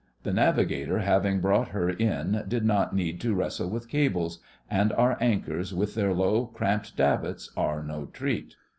The Navigator having brought her in did not need to wrestle with cables; and our anchors with their low, cramped davits are no treat.